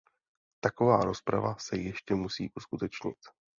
Taková rozprava se ještě musí uskutečnit.